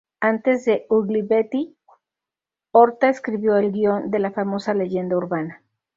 Antes de Ugly Betty, Horta escribió el guión de la famosa "Leyenda urbana".